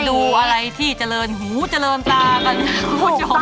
ดูอะไรที่เจริญหูเจริญตากันคุณผู้ชม